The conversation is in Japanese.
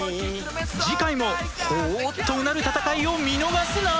次回もほぉっとうなる戦いを見逃すな！